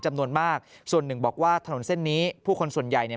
จำนวนมากส่วนหนึ่งบอกว่าถนนเส้นนี้ผู้คนส่วนใหญ่เนี่ย